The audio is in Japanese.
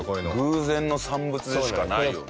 偶然の産物でしかないよね